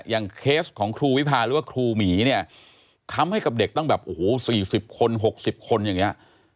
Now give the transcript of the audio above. อย่างเคสของครูวิพาหรือว่าครูหมีเนี้ยคำให้กับเด็กต้องแบบโอ้โหสี่สิบคนหกสิบคนอย่างเงี้ย